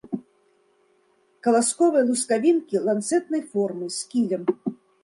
Каласковыя лускавінкі ланцэтнай формы, з кілем.